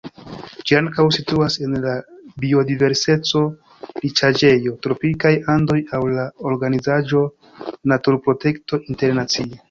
Ĝi ankaŭ situas en la biodiverseco-riĉaĵejo Tropikaj Andoj laŭ la organizaĵo Naturprotekto Internacie.